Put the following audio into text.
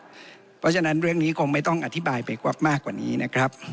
เพราะฉะนั้นเรื่องนี้คงไม่ต้องอธิบายไปมากกว่านี้นะครับ